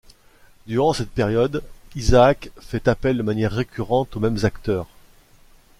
Durant cette période, Isaac fait appel de manière récurrente aux mêmes acteurs.